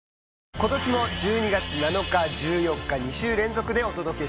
ことしも１２月７日１４日２週連続でお届けします